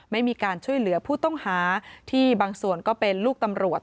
ไม่มีการช่วยเหลือผู้ต้องหาที่บางส่วนก็เป็นลูกตำรวจ